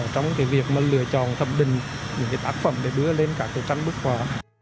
trong việc lựa chọn thẩm định những tác phẩm để đưa lên các trang bích họa